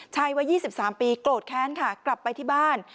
วัย๒๓ปีโกรธแค้นค่ะกลับไปที่บ้าน